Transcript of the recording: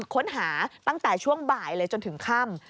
ค้นหาตั้งแต่ช่วงบ่ายเลยจนถึงค่ำ